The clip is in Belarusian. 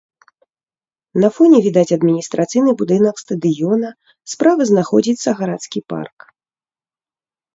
На фоне відаць адміністрацыйны будынак стадыёна, справа знаходзіцца гарадскі парк.